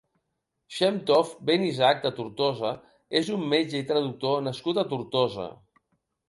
Xem Tov ben Isaac de Tortosa és un metge i traductor nascut a Tortosa.